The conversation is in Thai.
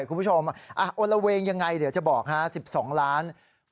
คุณผู้ชมโอละเวงยังไงเดี๋ยวจะบอก๑๒ล้าน